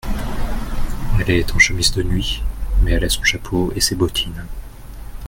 Elle est en chemise de nuit, mais elle a son chapeau et ses bottines.